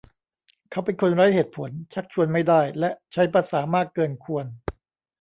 เขาเป็นคนไร้เหตุผล ชักชวนไม่ได้ และใช้ภาษามากเกินควร